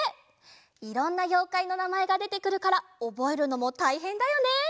いろんなようかいのなまえがでてくるからおぼえるのもたいへんだよね。